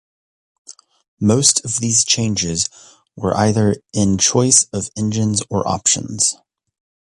Most of these changes were either in choice of engines or options.